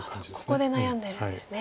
ここで悩んでるんですね。